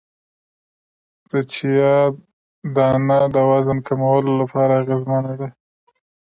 د چیا دانه د وزن کمولو لپاره اغیزمنه ده